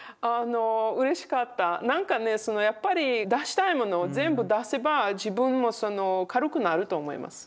なんかねそのやっぱり出したいものを全部出せば自分も軽くなると思います。